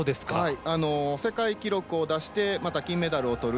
世界記録を出してまた金メダルをとる。